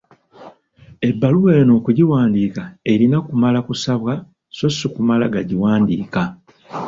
Ebbaluwa eno okugiwandiika erina kumala kusabwa so si kumala gagiwandiika.